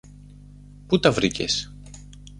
Πού τα βρήκες;